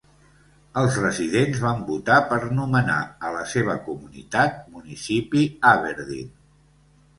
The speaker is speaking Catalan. Els residents van votar per nomenar a la seva comunitat "Municipi Aberdeen".